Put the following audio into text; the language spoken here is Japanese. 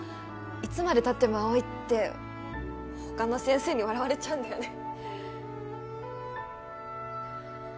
いつまでたっても青いって他の先生に笑われちゃうんだよね